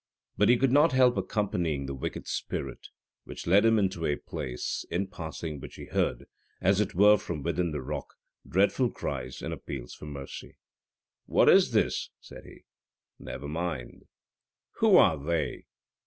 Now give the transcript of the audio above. But he could not help accompanying the wicked spirit, who led him into a place, in passing which he heard, as it were from within the rock, deadful cries and appeals for mercy. "What is this?" said he. "Never mind." "Who are they?"